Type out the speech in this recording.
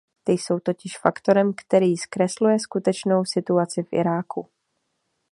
Ty jsou totiž faktorem, který zkresluje skutečnou situaci v Iráku.